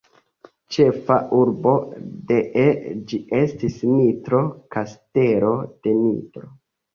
Ĉefa urbo dee ĝi estis Nitro, Kastelo de Nitro.